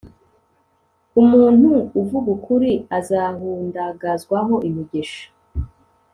umuntu uvuga ukuri azahundagazwaho imigisha